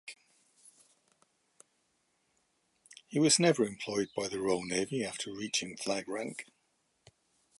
He was never employed by the Royal Navy after reaching flag rank.